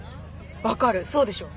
わかるそうでしょ？